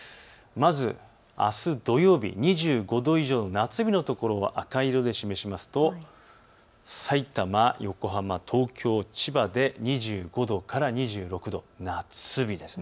まずあす土曜日、２５度以上の夏日のところを赤色で示しますと、さいたま、横浜、東京、千葉で２５度から２６度、夏日です。